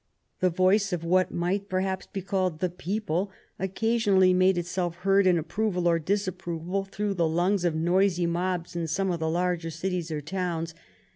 The voice of what might, per haps, be called the people, occasionally made itself heard, in approval or in disapproval, through the lungs of noisy mobs in some of the larger cities or towns.